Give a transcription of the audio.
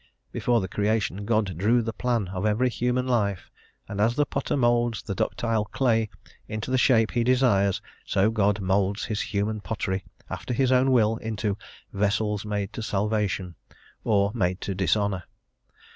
Before the creation God drew the plan of every human life, and as the potter moulds the ductile clay into the shape he desires, so God moulds his human pottery after his own will into "vessels made to salvation" or made to dishonour.